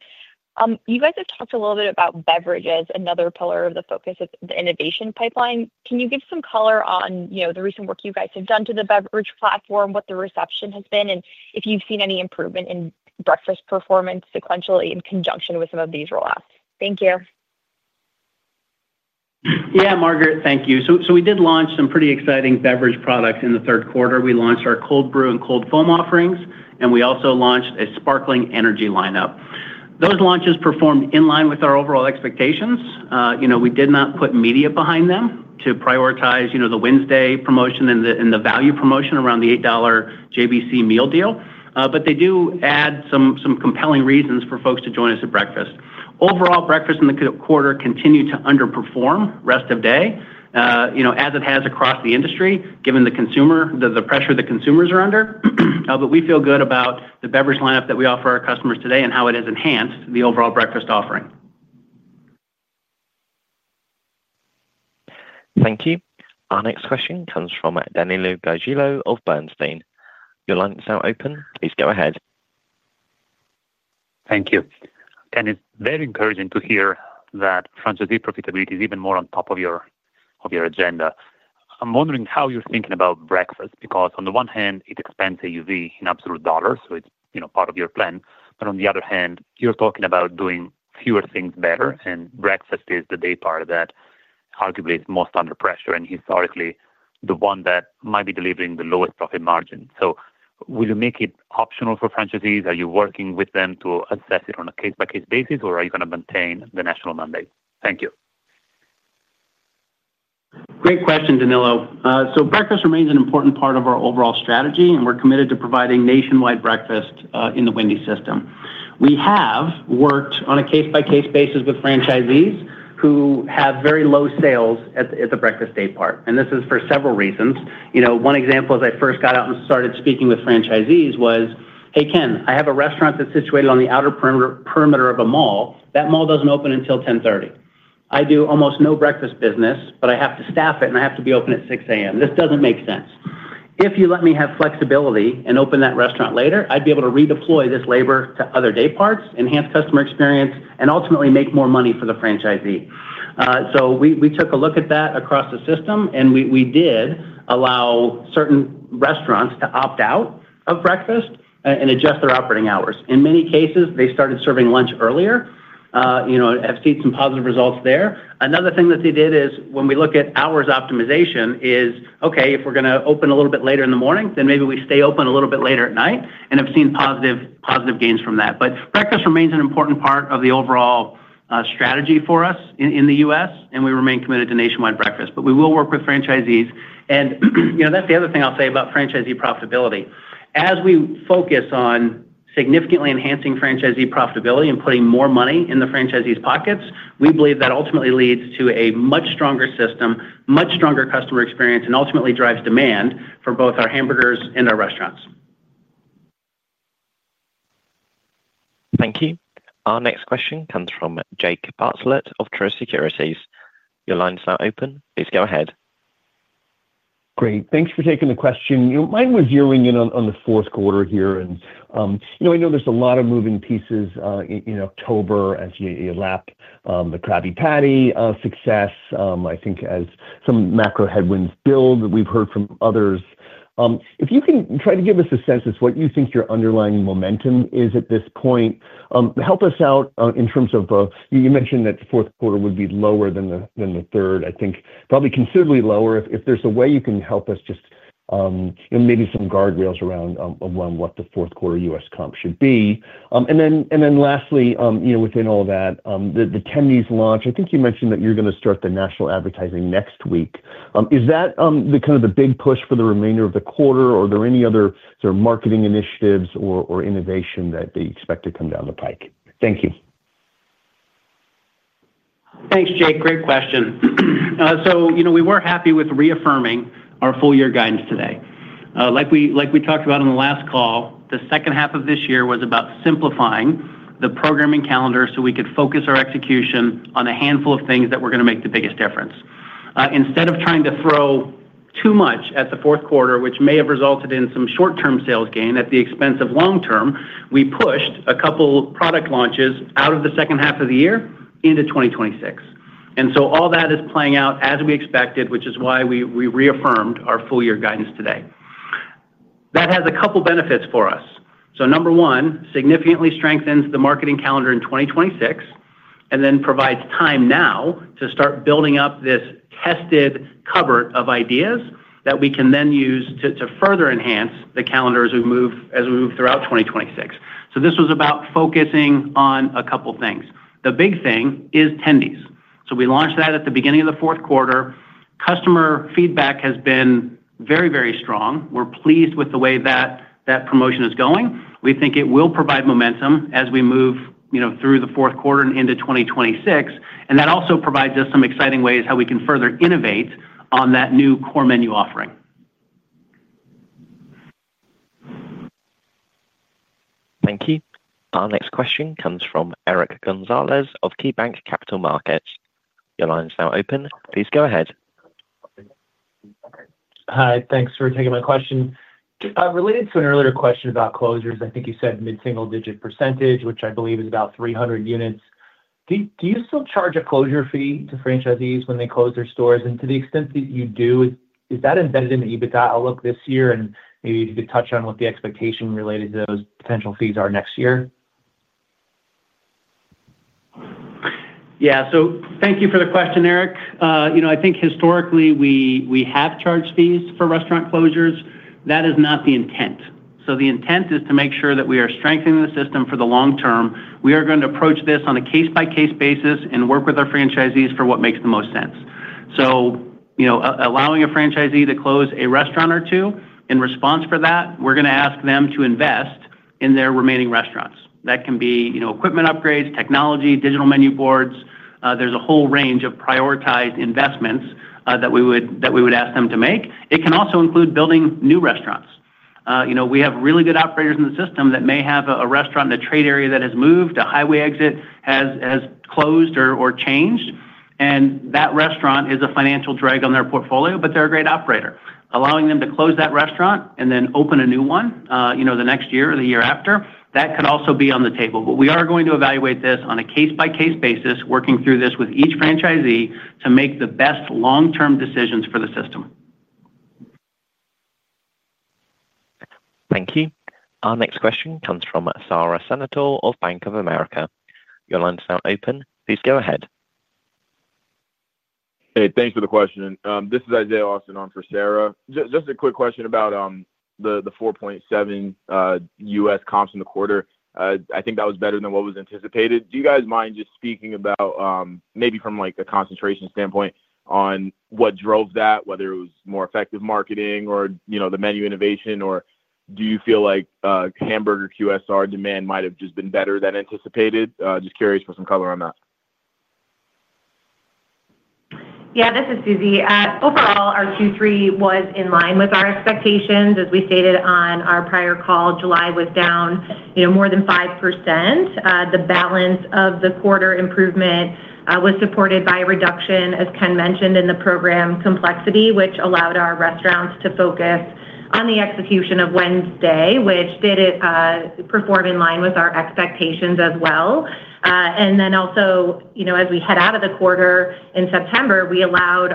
S11: You guys have talked a little bit about beverages, another pillar of the focus of the innovation pipeline. Can you give some color on the recent work you guys have done to the beverage platform, what the reception has been, and if you've seen any improvement in breakfast performance sequentially in conjunction with some of these rollouts? Thank you.
S3: Yeah, Margaret, thank you. So we did launch some pretty exciting beverage products in the 3rd quarter. We launched our Cold Brew and Cold Foam offerings, and we also launched a Sparkling Energy Lineup. Those launches performed in line with our overall expectations. We did not put media behind them to prioritize the Wednesday promotion and the value promotion around the $8 JBC meal deal. They do add some compelling reasons for folks to join us at breakfast. Overall, breakfast in the quarter continued to underperform rest of day as it has across the industry, given the pressure the consumers are under. But we feel good about the beverage lineup that we offer our customers today and how it has enhanced the overall breakfast offering.
S1: Thank you. Our next question comes from Danilo Gargiulo of Bernstein. Your line is now open. Please go ahead.
S12: Thank you. Ken, it's very encouraging to hear that franchisee profitability is even more on top of your agenda. I'm wondering how you're thinking about breakfast because, on the one hand, it expands AUV in absolute dollars, so it's part of your plan. But on the other hand, you're talking about doing fewer things better, and breakfast is the day part that arguably is most under pressure and historically the one that might be delivering the lowest profit margin. So will you make it optional for franchisees? Are you working with them to assess it on a case-by-case basis, or are you going to maintain the national mandate? Thank you.
S3: Great question, Danilo. Breakfast remains an important part of our overall strategy, and we're committed to providing nationwide breakfast in the Wendy's system. We have worked on a case-by-case basis with franchisees who have very low sales at the breakfast day part. This is for several reasons. One example as I first got out and started speaking with franchisees was, "Hey, Ken, I have a restaurant that's situated on the outer perimeter of a mall. That mall doesn't open until 10:30. I do almost no breakfast business, but I have to staff it, and I have to be open at 6:00 A.M. This doesn't make sense. If you let me have flexibility and open that restaurant later, I'd be able to redeploy this labor to other day parts, enhance customer experience, and ultimately make more money for the franchisee. We took a look at that across the system, and we did allow certain restaurants to opt out of breakfast and adjust their operating hours. In many cases, they started serving lunch earlier, have seen some positive results there. Another thing that they did is, when we look at hours optimization, is, "Okay, if we're going to open a little bit later in the morning, then maybe we stay open a little bit later at night," and have seen positive gains from that. Breakfast remains an important part of the overall strategy for us in the U.S., and we remain committed to nationwide breakfast. We will work with franchisees. That's the other thing I'll say about franchisee profitability. As we focus on significantly enhancing franchisee profitability and putting more money in the franchisees' pockets, we believe that ultimately leads to a much stronger system, much stronger customer experience, and ultimately drives demand for both our hamburgers and our restaurants.
S1: Thank you. Our next question comes from Jake Bartlett of Truist Securities. Your line is now open. Please go ahead.
S13: Great. Thanks for taking the question. Mine was zeroing in on the 4th quarter here. I know there's a lot of moving pieces in October as you lap the Krabby Patty success, I think, as some macro headwinds build that we've heard from others. If you can try to give us a sense of what you think your underlying momentum is at this point, help us out in terms of you mentioned that the 4th quarter would be lower than the 1/3. I think probably considerably lower. If there's a way you can help us just maybe some Guardrails around what the 4th quarter U.S. comp should be. And then lastly, within all that, the Tendies launch, I think you mentioned that you're going to start the national advertising next week. Is that kind of the big push for the remainder of the quarter, or are there any other sort of marketing initiatives or innovation that they expect to come down the pike? Thank you.
S3: Thanks, Jake. Great question. We were happy with reaffirming our full-year guidance today. Like we talked about on the last call, the 2nd half of this year was about simplifying the programming calendar so we could focus our execution on a handful of things that were going to make the biggest difference. Instead of trying to throw too much at the 4th quarter, which may have resulted in some short-term sales gain at the expense of long-term, we pushed a couple of product launches out of the 2nd half of the year into 2026. All that is playing out as we expected, which is why we reaffirmed our full-year guidance today. That has a couple of benefits for us. Number one, significantly strengthens the marketing calendar in 2026, and then provides time now to start building up this tested cupboard of ideas that we can then use to further enhance the calendar as we move throughout 2026. This was about focusing on a couple of things. The big thing is 10 days. We launched that at the beginning of the 4th quarter. Customer feedback has been very, very strong. We're pleased with the way that promotion is going. We think it will provide momentum as we move through the 4th quarter and into 2026. That also provides us some exciting ways how we can further innovate on that new core menu offering.
S1: Thank you. Our next question comes from Eric Gonzalez of KeyBanc Capital Markets. Your line is now open. Please go ahead.
S14: Hi. Thanks for taking my question. Related to an earlier question about closures, I think you said mid-single-digit percentage, which I believe is about 300 units. Do you still charge a closure fee to franchisees when they close their stores? To the extent that you do, is that embedded in the EBITDA outlook this year? Maybe if you could touch on what the expectation related to those potential fees are next year.
S3: Yeah. Thank you for the question, Eric. I think historically, we have charged fees for restaurant closures. That is not the intent. The intent is to make sure that we are strengthening the system for the long term. We are going to approach this on a case-by-case basis and work with our franchisees for what makes the most sense. Allowing a franchisee to close a restaurant or two, in response for that, we are going to ask them to invest in their remaining restaurants. That can be equipment upgrades, technology, Digital Menu Boards. there is a whole range of prioritized investments that we would ask them to make. It can also include building new restaurants. We have really good operators in the system that may have a restaurant in a trade area that has moved, a highway exit has closed or changed, and that restaurant is a financial drag on their portfolio, but they are a great operator. Allowing them to close that restaurant and then open a new one the next year or the year after, that could also be on the table. We are going to evaluate this on a case-by-case basis, working through this with each franchisee to make the best long-term decisions for the system.
S1: Thank you. Our next question comes from Sara Senatore of Bank of America. Your line is now open. Please go ahead.
S15: Hey, thanks for the question. This is Isiah Austin on for Sara. Just a quick question about the 4.7% U.S. comps in the quarter. I think that was better than what was anticipated. Do you guys mind just speaking about maybe from a concentration standpoint on what drove that, whether it was more effective marketing or the menu innovation, or do you feel like hamburger QSR demand might have just been better than anticipated? Just curious for some color on that.
S4: Yeah, this is Suzie. Overall, our Q3 was in line with our expectations. As we stated on our prior call, July was down more than 5%. The balance of the quarter improvement was supported by a reduction, as Ken mentioned, in the program complexity, which allowed our restaurants to focus on the execution of Wednesday, which did perform in line with our expectations as well. Also, as we head out of the quarter in September, we allowed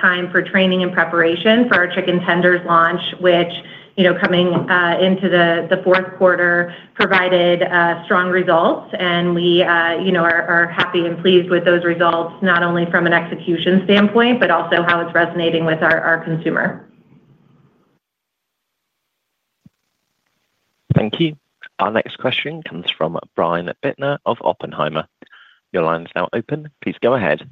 S4: time for training and preparation for our Chicken Tenders launch, which, coming into the 4th quarter, provided strong results. We are happy and pleased with those results, not only from an execution standpoint, but also how it's resonating with our consumer.
S1: Thank you. Our next question comes from Brian Bittner of Oppenheimer. Your line is now open. Please go ahead.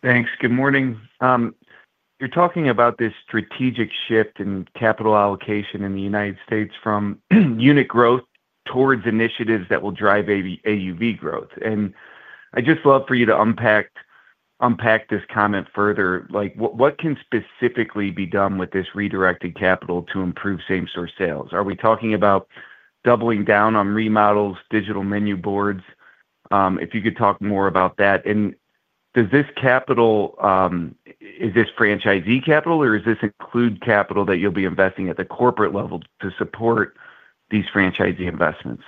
S16: Thanks. Good morning. You're talking about this strategic shift in capital allocation in the U.S. from unit growth towards initiatives that will drive AUV growth. I just love for you to unpack this comment further. What can specifically be done with this redirected capital to improve same-store sales? Are we talking about doubling down on remodels, Digital Menu Boards? If you could talk more about that. Does this capital, is this franchisee capital, or does this include capital that you'll be investing at the corporate level to support these franchisee investments?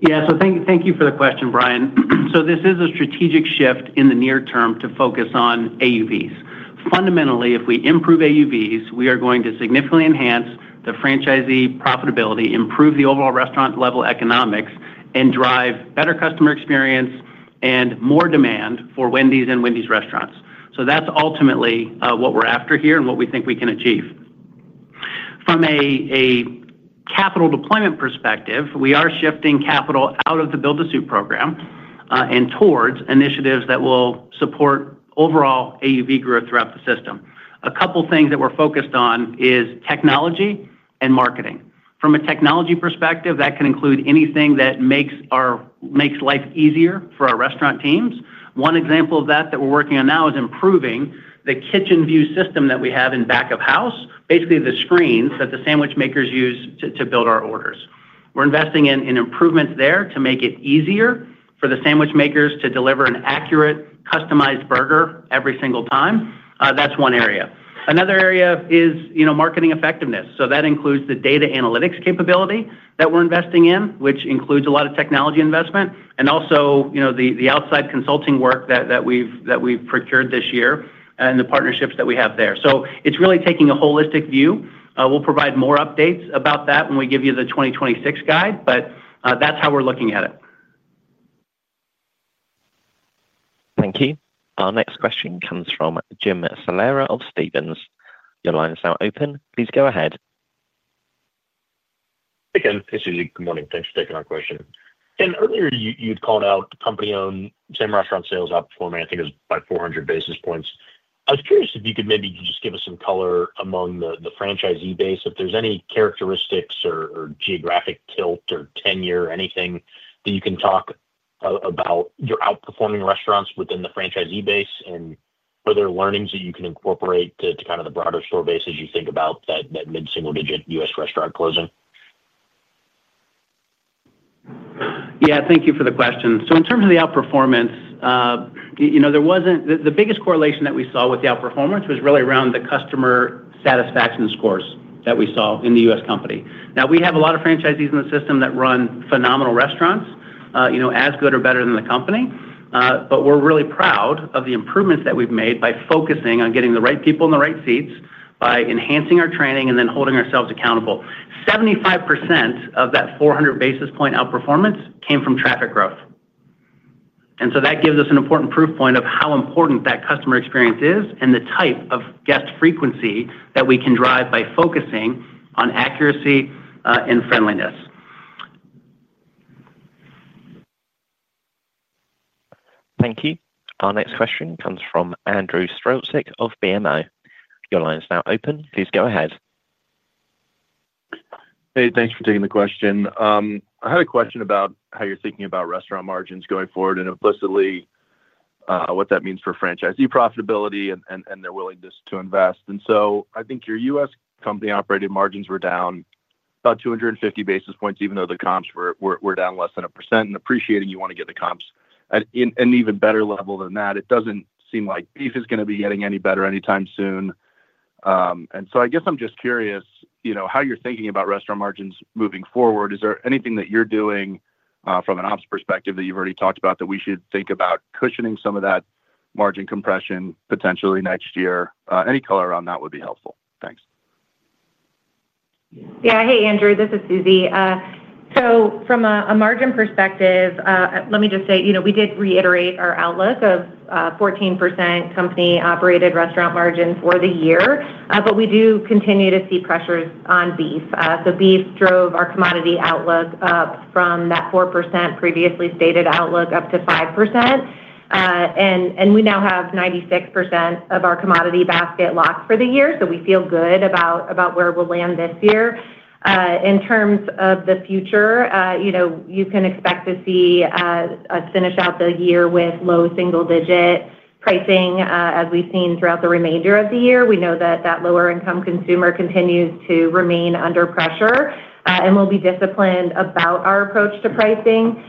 S3: Yeah. Thank you for the question, Brian. This is a strategic shift in the near term to focus on AUVs. Fundamentally, if we improve AUVs, we are going to significantly enhance the franchisee profitability, improve the overall restaurant-level economics, and drive better customer experience and more demand for Wendy's and Wendy's restaurants. That's ultimately what we're after here and what we think we can achieve. From a capital deployment perspective, we are shifting capital out of the Build-to-Suit program and towards initiatives that will support overall AUV growth throughout the system. A couple of things that we're focused on is technology and marketing. From a technology perspective, that can include anything that makes life easier for our restaurant teams. One example of that that we're working on now is improving the Kitchen View System that we have in back of house, basically the screens that the sandwich makers use to build our orders. We're investing in improvements there to make it easier for the sandwich makers to deliver an accurate, customized burger every single time. That's one area. Another area is marketing effectiveness. That includes the data analytics capability that we're investing in, which includes a lot of technology investment, and also the outside consulting work that we've procured this year and the partnerships that we have there. It's really taking a holistic view. We'll provide more updates about that when we give you the 2026 guide, but that's how we're looking at it.
S1: Thank you. Our next question comes from Jim Salera of Stephens. Your line is now open. Please go ahead.
S17: Hey, Ken. Hey, Suzie. Good morning. Thanks for taking our question. Ken, earlier you'd called out the company-owned same restaurant sales outperforming, I think it was by 400 basis points. I was curious if you could maybe just give us some color among the franchisee base, if there's any characteristics or geographic tilt or tenure, anything that you can talk about your outperforming restaurants within the franchisee base and other learnings that you can incorporate to kind of the broader store base as you think about that mid-single-digit U.S. restaurant closing.
S3: Thank you for the question. In terms of the outperformance, the biggest correlation that we saw with the outperformance was really around the customer satisfaction scores that we saw in the U.S. company. We have a lot of franchisees in the system that run phenomenal restaurants, as good or better than the company. We are really proud of the improvements that we have made by focusing on getting the right people in the right seats, by enhancing our training, and then holding ourselves accountable. 75% of that 400 basis point outperformance came from traffic growth. That gives us an important proof point of how important that customer experience is and the type of guest frequency that we can drive by focusing on accuracy and friendliness.
S1: Thank you. Our next question comes from Andrew Strelzik of BMO. Your line is now open. Please go ahead.
S18: Hey, thanks for taking the question. I had a question about how you're thinking about restaurant margins going forward and implicitly what that means for franchisee profitability and their willingness to invest. I think your U.S. company-operated margins were down about 250 basis points, even though the comps were down less than 1%. Appreciating you want to get the comps at an even better level than that, it does not seem like beef is going to be getting any better anytime soon. I guess I'm just curious how you're thinking about restaurant margins moving forward. Is there anything that you're doing from an Ops perspective that you've already talked about that we should think about cushioning some of that margin compression potentially next year? Any color on that would be helpful. Thanks.
S4: Yeah. Hey, Andrew. This is Suzie. From a margin perspective, let me just say we did reiterate our outlook of 14% company-operated restaurant margin for the year, but we do continue to see pressures on beef. Beef drove our commodity outlook up from that 4% previously stated outlook up to 5%. We now have 96% of our commodity basket locked for the year. We feel good about where we'll land this year. In terms of the future, you can expect to see us finish out the year with low single-digit pricing as we've seen throughout the remainder of the year. We know that that lower-income consumer continues to remain under pressure, and we'll be disciplined about our approach to pricing.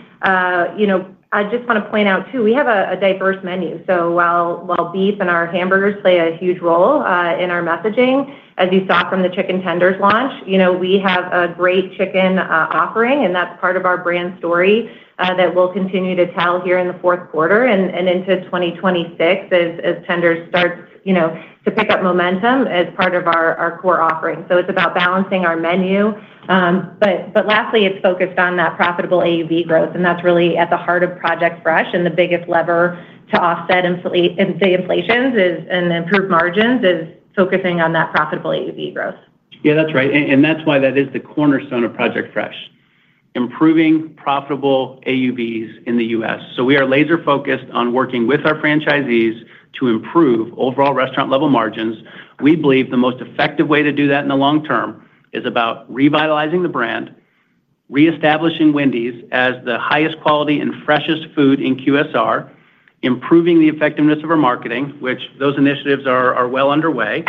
S4: I just want to point out, too, we have a diverse menu. While beef and our hamburgers play a huge role in our messaging, as you saw from the chicken tenders launch, we have a great chicken offering, and that's part of our brand story that we'll continue to tell here in the 4th quarter and into 2026 as tenders start to pick up momentum as part of our core offering. It's about balancing our menu. Lastly, it's focused on that profitable AUV growth. That's really at the heart of Project Fresh. The biggest lever to offset the inflations and improve margins is focusing on that profitable AUV growth.
S3: Yeah, that's right. That is the cornerstone of Project Fresh: improving profitable AUVs in the U.S. We are laser-focused on working with our franchisees to improve overall restaurant-level margins. We believe the most effective way to do that in the long term is about revitalizing the brand, reestablishing Wendy's as the highest quality and freshest food in QSR, improving the effectiveness of our marketing, which those initiatives are well underway,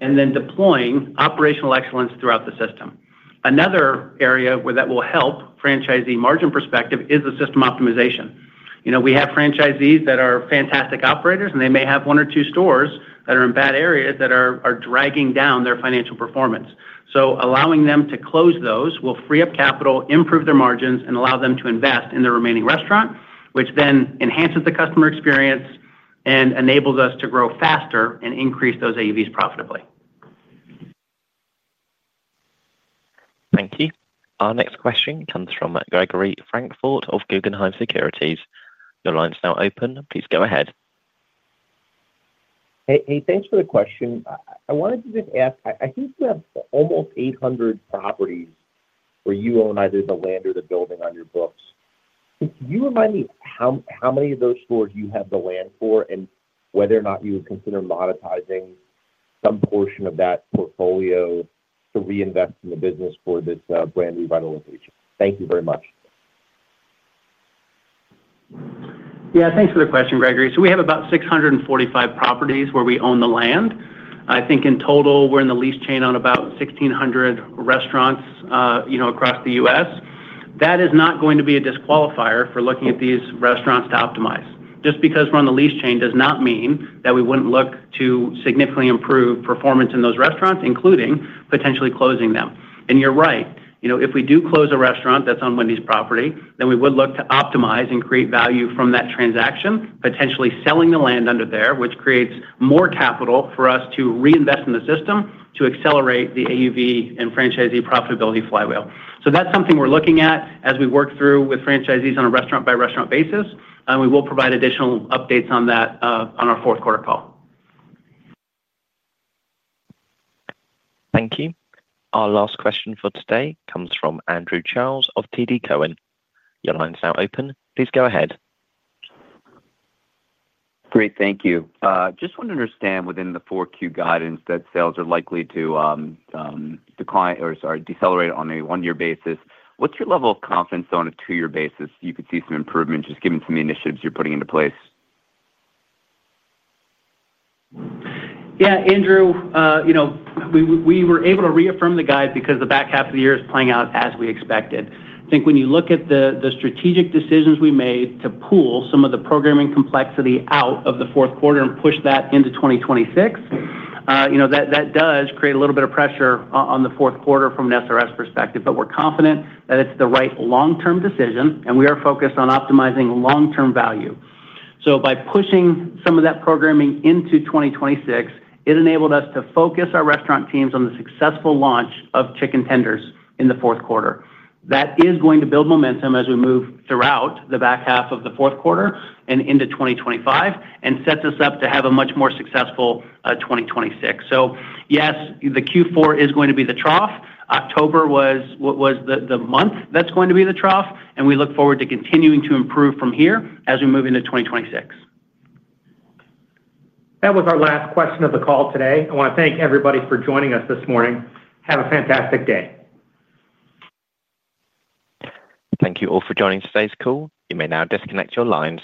S3: and then deploying Operational Excellence throughout the system. Another area where that will help from a franchisee margin perspective is the System Optimization. We have franchisees that are fantastic operators, and they may have one or two stores that are in bad areas that are dragging down their financial performance. Allowing them to close those will free up capital, improve their margins, and allow them to invest in the remaining restaurant, which then enhances the customer experience and enables us to grow faster and increase those AUVs profitably.
S1: Thank you. Our next question comes from Gregory Francfort of Guggenheim Securities. Your line is now open. Please go ahead.
S19: Hey, thanks for the question. I wanted to just ask, I think you have almost 800 properties where you own either the land or the building on your books. Can you remind me how many of those stores you have the land for and whether or not you would consider monetizing some portion of that portfolio to reinvest in the business for this brand revitalization? Thank you very much.
S3: Yeah, thanks for the question, Gregory. We have about 645 properties where we own the land. I think in total, we're in the lease chain on about 1,600 restaurants across the U.S. That is not going to be a disqualifier for looking at these restaurants to optimize. Just because we're on the lease chain does not mean that we wouldn't look to significantly improve performance in those restaurants, including potentially closing them. You're right. If we do close a restaurant that's on Wendy's property, then we would look to optimize and create value from that transaction, potentially selling the land under there, which creates more capital for us to reinvest in the system to accelerate the AUV and franchisee profitability flywheel. That's something we're looking at as we work through with franchisees on a restaurant-by-restaurant basis. We will provide additional updates on that on our 4th quarter call.
S1: Thank you. Our last question for today comes from Andrew Charles of TD Cowen. Your line is now open. Please go ahead.
S20: Great. Thank you. Just want to understand within the 4Q guidance that sales are likely to decline or, sorry, decelerate on a one-year basis. What's your level of confidence on a two-year basis you could see some improvement just given some of the initiatives you're putting into place?
S3: Yeah, Andrew. We were able to reaffirm the guide because the back half of the year is playing out as we expected. I think when you look at the strategic decisions we made to pull some of the programming complexity out of the 4th quarter and push that into 2026, that does create a little bit of pressure on the 4th quarter from an SRS perspective. We are confident that it's the right long-term decision, and we are focused on optimizing long-term value. By pushing some of that programming into 2026, it enabled us to focus our restaurant teams on the successful launch of Chicken Tenders in the fourth quarter. That is going to build momentum as we move throughout the back half of the 4th quarter and into 2025 and sets us up to have a much more successful 2026. Yes, the Q4 is going to be the trough. October was the month that is going to be the trough, and we look forward to continuing to improve from here as we move into 2026. That was our last question of the call today. I want to thank everybody for joining us this morning. Have a fantastic day. Thank you all for joining today's call. You may now disconnect your lines.